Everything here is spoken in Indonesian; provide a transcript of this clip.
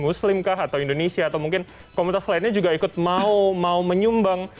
muslimkah atau indonesia atau mungkin komunitas lainnya juga ikut mau menyumbang